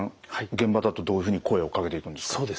現場だとどういうふうに声をかけていくんですか？